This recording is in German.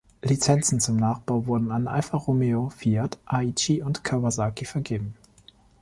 Lizenzen zum Nachbau wurden an Alfa Romeo, Fiat, Aichi und Kawasaki vergeben.